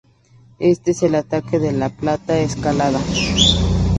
Este es el ataque de la "plata escalada".